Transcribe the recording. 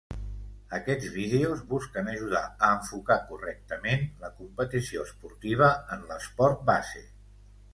Aquests vídeos busquen ajudar a enfocar correctament la competició esportiva en l’esport base.